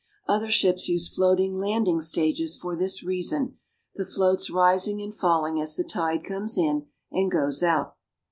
Other ships use floating landing stages for this reason, the floats rising and falling as the tide comes in and goes out.